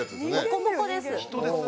モコモコです